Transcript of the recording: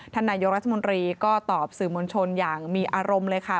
ท่านนายกรัฐมนตรีก็ตอบสื่อมวลชนอย่างมีอารมณ์เลยค่ะ